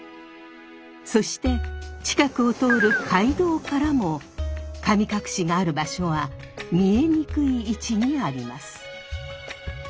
そして近くを通る街道からも神隠がある場所は見えにくい位置にあります。